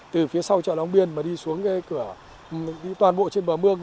từ phía sau chợ long biên mà đi xuống cái cửa đi toàn bộ trên bờ mương